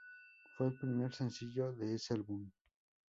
Fue el primer sencillo de ese álbum.